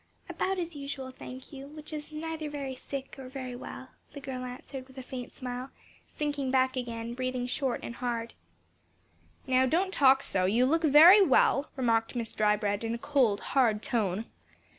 "About as usual, thank you; which is neither very sick nor very well," the girl answered with a faint smile, sinking back again, breathing short and hard. "Now don't talk so; you look very well," remarked Miss Drybread in a cold, hard tone.